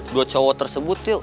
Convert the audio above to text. dua cowok tersebut yuk